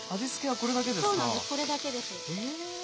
これだけです。